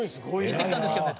「行ってきたんですけどね」